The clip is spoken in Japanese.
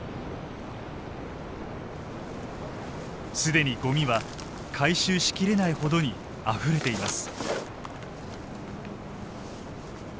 既にごみは回収しきれないほどにあふれています。